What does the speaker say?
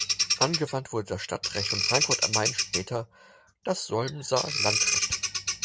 Angewandt wurde das Stadtrecht von Frankfurt am Main, später das Solmser Landrecht.